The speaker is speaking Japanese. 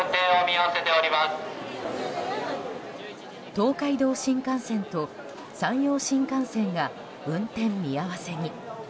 東海道新幹線と山陽新幹線が運転見合わせに。